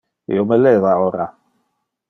Io me leva ora.